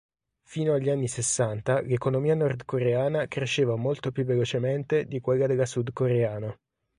Fino agli anni sessanta, l'economia nordcoreana cresceva molto più velocemente di quella della sudcoreana.